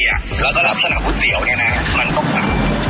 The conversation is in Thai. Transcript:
แล้วก็ลักษณะไปบุตเตี๋ยวเนี่ยนะมันต้องต่ำ